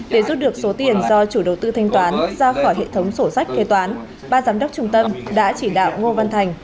để giúp được số tiền do chủ đầu tư thanh toán ra khỏi hệ thống sổ sách kế toán ba giám đốc trung tâm đã chỉ đạo ngô văn thành